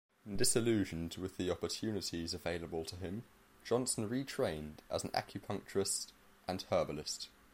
Disillusioned with the opportunities available to him, Johnson retrained as an acupuncturist and herbalist.